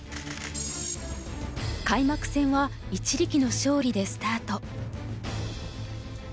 開幕戦は一力の勝利でスタート。